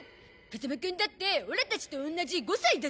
風間くんだってオラたちと同じ５歳だゾ。